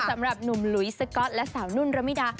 สำหรับหนุ่มหลุยสก๊อตและสาวนุ่นระมิดา